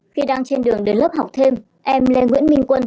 khi đang trên đường đến lớp học thêm em lê nguyễn minh quân